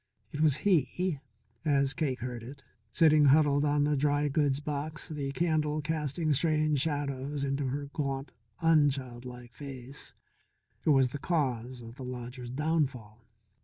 It was he as Cake heard it, sitting huddled on the old dry goods box, the candle casting strange shadows into her gaunt, unchildlike face, who was the cause of the lodger's downfall.